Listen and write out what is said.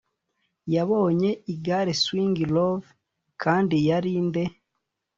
yabonye igare "swing low"? kandi yari nde